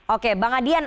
oke bang adian